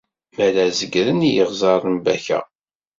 Mi ara zegren i yiɣẓer n Baka.